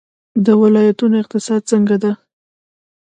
د ولایتونو اقتصاد څنګه دی؟